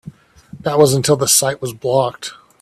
That was until the site was blocked.